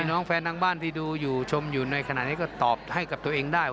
น้องแฟนทางบ้านที่ดูอยู่ชมอยู่ในขณะนี้ก็ตอบให้กับตัวเองได้